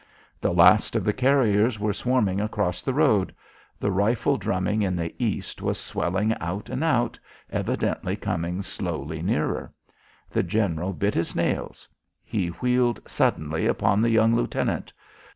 The last of the carriers were swarming across the road. The rifle drumming in the east was swelling out and out, evidently coming slowly nearer. The general bit his nails. He wheeled suddenly upon the young lieutenant.